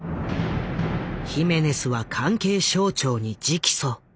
ヒメネスは関係省庁に直訴。